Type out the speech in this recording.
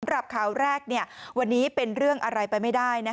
สำหรับข่าวแรกวันนี้เป็นเรื่องอะไรไปไม่ได้